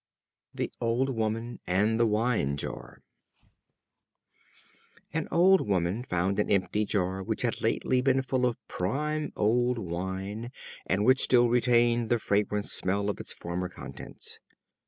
The Old Woman and the Wine Jar. An Old Woman found an empty jar which had lately been full of prime old wine, and which still retained the fragrant smell of its former contents.